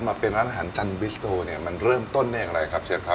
มาเป็นร้านอาหารจันทร์บิสโตร์มันเริ่มต้นอย่างไรครับเชฟ